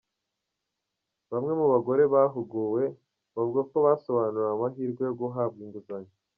Bamwe mu bagore bahuguwe bavuga ko basobanuriwe amahirwe yo guhabwa inguzanyo.